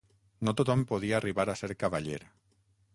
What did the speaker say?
No tothom podia arribar a ser cavaller.